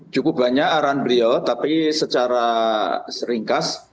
cukup banyak arahan beliau tapi secara seringkas